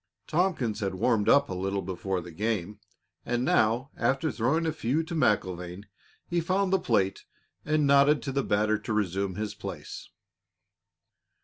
Tompkins had warmed up a little before the game, and now, after throwing a few to MacIlvaine, he found the plate and nodded to the batter to resume his place.